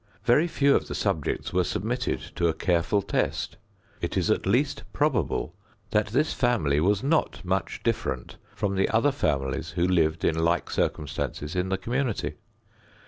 Very few of the subjects were submitted to a careful test. It is at least probable that this family was not much different from the other families who lived in like circumstances in the community.